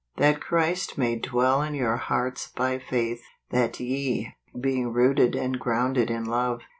" That Christ may dwell in your hearts by faith; that ye , being rooted and grounded in love.